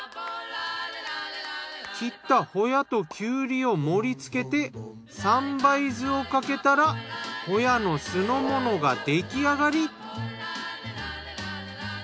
切ったホヤときゅうりを盛り付けて三杯酢をかけたらホヤの酢の物が出来上がり。